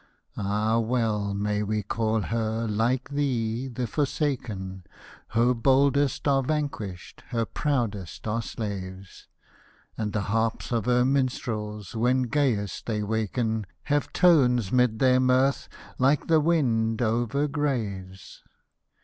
Ah, well may we call her, like thee, " the Forsaken," Her boldest are vanquished, her proudest are slaves ; And the harps of her minstrels, when gayest they waken Have tones 'mid their mirth like the wind over graves